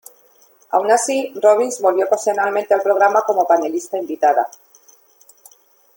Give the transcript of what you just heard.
Aun así, Robins volvió ocasionalmente al programa como panelista invitada.